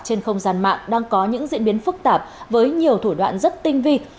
trên không gian mạng đang có những diễn biến phức tạp với nhiều thủ đoạn rất tinh vi